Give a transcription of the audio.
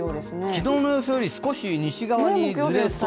昨日の様子より、少し西側にずれそう。